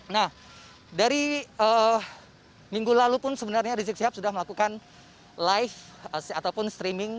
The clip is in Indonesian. nah dari minggu lalu pun sebenarnya rizik sihab sudah melakukan live ataupun streaming